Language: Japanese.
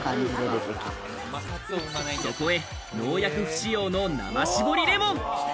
そこへ、農薬不使用の生搾りレモン。